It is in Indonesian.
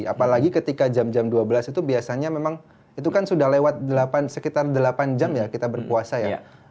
apalagi ketika jam jam dua belas itu biasanya memang itu kan sudah lewat delapan sekitar delapan jam ya kita berpuasa ya